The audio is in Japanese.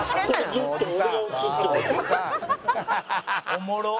おもろっ！